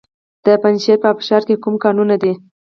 د پنجشیر په ابشار کې کوم کانونه دي؟